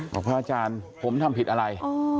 พระอาจารย์ผมทำผิดอะไร